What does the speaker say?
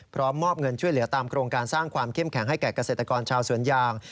มอบเงินช่วยเหลือตามโครงการสร้างความเข้มแข็งให้แก่เกษตรกรชาวสวนยาง